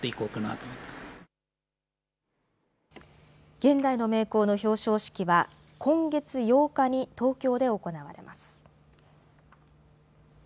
現代の名工の表彰式は今月８日に東京で行われます。